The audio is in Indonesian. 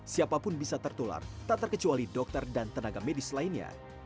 siapapun bisa tertular tak terkecuali dokter dan tenaga medis lainnya